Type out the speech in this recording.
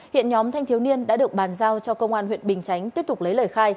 hiện nhóm thanh thiếu niên đã được bàn giao cho công an huyện bình chánh tiếp tục lấy lời khai